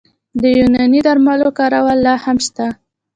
د یوناني درملو کارول لا هم شته.